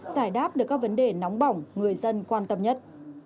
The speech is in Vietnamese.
giải đáp được các vấn đề nóng bỏng người dân quan tâm nhất